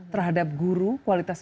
terhadap guru kualitas